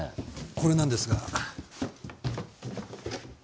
これなんですが。